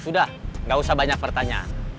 sudah nggak usah banyak pertanyaan